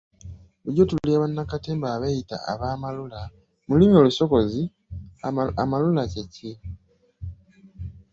Bulijjo tuwulira bannakatemba abeeyita ba ‘amalula’ mu lulimi olusogozi amalula kye ki?